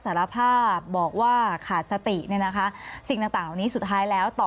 สารภาพบอกว่าขาดสติเนี่ยนะคะสิ่งต่างต่างเหล่านี้สุดท้ายแล้วต่อ